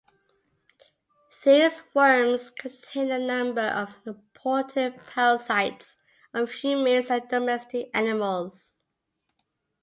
These "worms" contain a number of important parasites of humans and domestic animals.